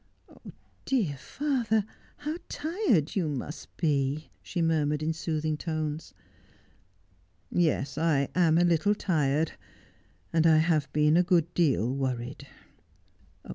'Dear father, how tired you must be !' she murmured, in soothing tones. ' Yes, I am a little tired , and I have been a good deal worried.'